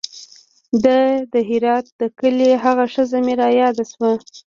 د دهروات د کلي هغه ښځه مې راياده سوه.